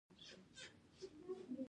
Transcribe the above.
د افغانستان نفوس زیاتره په کلیو کې دی